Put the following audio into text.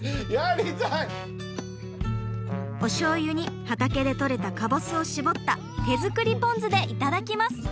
おしょうゆに畑で取れたかぼすを搾った手作りポン酢で頂きます。